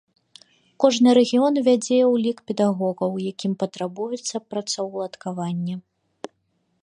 Кожны рэгіён вядзе ўлік педагогаў, якім патрабуецца працаўладкаванне.